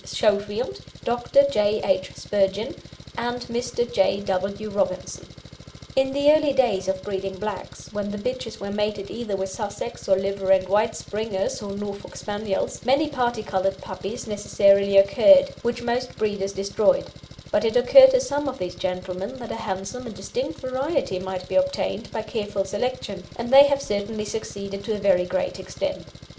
Schofield, Dr. J. H. Spurgin, and Mr. J. W. Robinson. In the early days of breeding blacks, when the bitches were mated either with Sussex or liver and white Springers or Norfolk Spaniels, many parti coloured puppies necessarily occurred, which most breeders destroyed; but it occurred to some of these gentlemen that a handsome and distinct variety might be obtained by careful selection, and they have certainly succeeded to a very great extent.